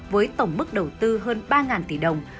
với tổng mức đầu tư hơn ba tỷ đồng